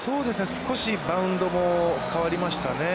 少しバウンドも変わりましたね。